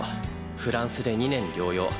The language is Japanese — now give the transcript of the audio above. フランスで２年療養。